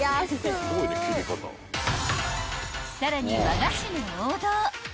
［さらに］